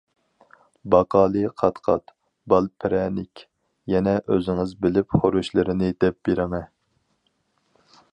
باقالى، قات-قات، بال پىرەنىك. يەنە ئۆزىڭىز بىلىپ خۇرۇچلىرىنى دەپ بېرىڭە.